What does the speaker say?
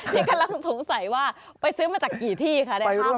ที่กำลังสงสัยว่าไปซื้อมาจากกี่ที่คะในห้าง